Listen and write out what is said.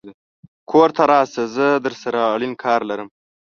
کور ته راشه زه درسره اړين کار لرم